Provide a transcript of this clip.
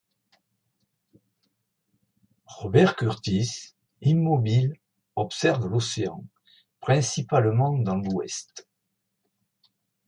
Robert Kurtis, immobile, observe l’Océan, principalement dans l’ouest.